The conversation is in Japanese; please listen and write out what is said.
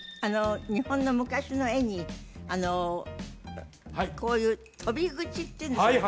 日本の昔の絵にこういう鳶口っていうんですかね